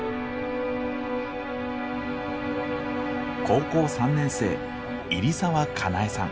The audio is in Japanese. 高校３年生入澤佳苗さん。